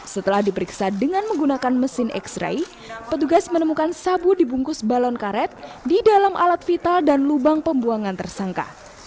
setelah diperiksa dengan menggunakan mesin x ray petugas menemukan sabu dibungkus balon karet di dalam alat vital dan lubang pembuangan tersangka